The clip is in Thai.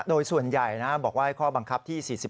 โดยส่วนใหญ่บอกว่าข้อบังคับที่๔๔